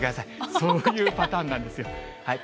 そういうパターンなんですよ。